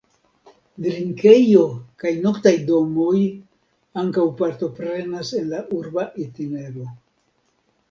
Drinkejo kaj noktaj domoj ankaŭ partoprenas en la urba itinero.